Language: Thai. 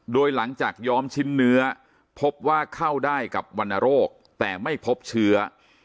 โดยหลังจากย้อมชิ้นเนื้อพบว่าเข้าได้กับวรรณโรคแต่ไม่พบเชื้อ